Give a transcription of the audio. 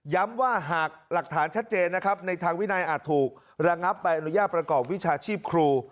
ว่าหากหลักฐานชัดเจนนะครับในทางวินัยอาจถูกระงับใบอนุญาตประกอบวิชาชีพครู